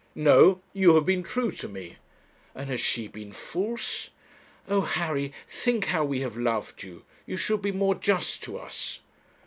'No; you have been true to me.' 'And has she been false? Oh! Harry, think how we have loved you! You should be more just to us.'